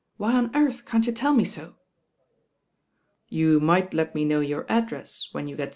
why on earth can't you tell me so ?" "You might let me know your address when you r "'H??.'"